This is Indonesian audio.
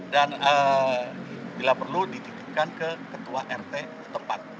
dan bila perlu dititipkan ke ketua rt tempat